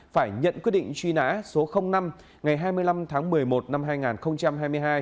phải nhận quyết định truy nã số năm ngày hai mươi năm tháng một mươi một năm hai nghìn hai mươi hai